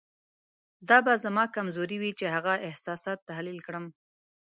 دا به زما کمزوري وي چې هغه احساسات تحلیل کړم.